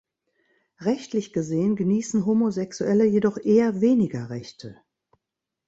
Rechtlich gesehen genießen Homosexuelle jedoch eher weniger Rechte.